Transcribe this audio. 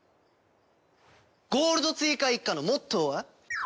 ゴールドツイカー一家のモットーは。